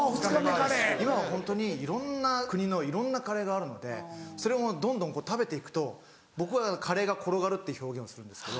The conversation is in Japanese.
今はホントにいろんな国のいろんなカレーがあるのでそれをどんどん食べて行くと僕は「カレーが転がる」っていう表現をするんですけど。